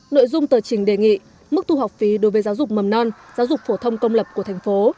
nội dung tờ trình đề nghị mức thu học phí đối với giáo dục mầm non giáo dục phổ thông công lập của thành phố